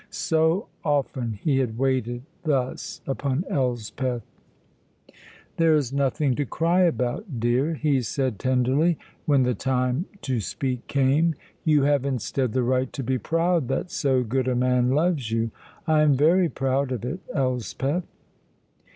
So often he had waited thus upon Elspeth. "There is nothing to cry about, dear," he said tenderly, when the time to speak came. "You have, instead, the right to be proud that so good a man loves you. I am very proud of it, Elspeth."